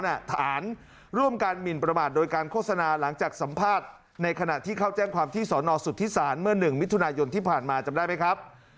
ฐานร่วมการหมินประมาทโดยการโฆษณาหลังจากสัมภาษณ์ในขณะที่เข้าแจ้งความที่สอนอสุทธิศาลเมื่อ๑มิถุนายนที่ผ่านมาจำได้ไหมครับ